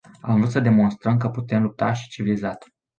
Am vrut să demonstrăm că putem lupta și civilizat.